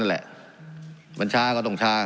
การปรับปรุงทางพื้นฐานสนามบิน